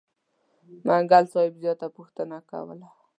منګل صاحب زیاته پوښتنه کوله.